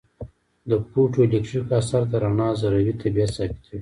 د فوټو الیټکریک اثر د رڼا ذروي طبیعت ثابتوي.